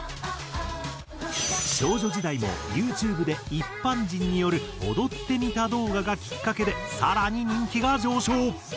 少女時代もユーチューブで一般人による「踊ってみた」動画がきっかけで更に人気が上昇。